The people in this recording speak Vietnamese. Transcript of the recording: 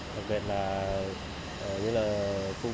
đặc biệt là như là khu công